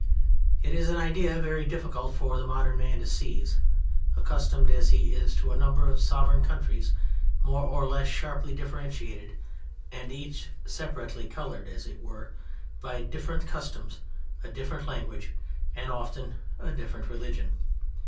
It is an idea very difficult for the modern man to seize, accustomed as he is to a number of sovereign countries more or less sharply differentiated, and each separately colored, as it were, by different customs, a different language, and often a different religion.